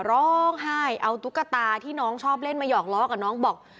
ร้องไห้เอาตุ๊กตาที่น้องชอบเล่นมาหยอกล้อกับน้องบอก